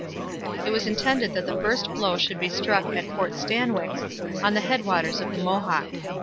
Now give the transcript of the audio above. It was intended that the first blow should be struck at Fort Stanwix, on the head waters of the Mohawk.